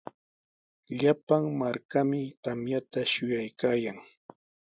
Llapan markami tamyata shuyaykaayan.